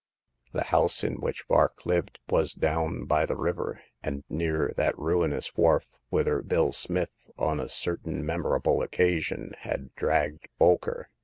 The house in which Vark lived, was down by the river, and near that ruinous wharf whither Bill Smith on a certain memorable occasion had dragged Bolker.